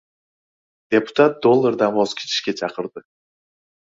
Deputat dollardan voz kechishga chaqirdi